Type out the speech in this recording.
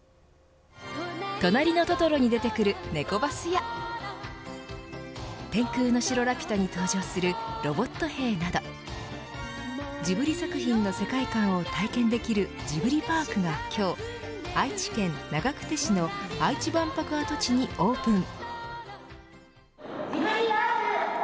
となりのトトロに出てくるネコバスや天空の城ラピュタに登場するロボット兵などジブリ作品の世界観を体験できるジブリパークが今日愛知県長久手市の愛知万博跡地にオープン。